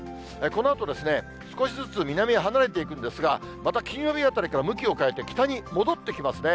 このあと、少しずつ南へ離れていくんですが、また金曜日あたりから向きを変えて北に戻ってきますね。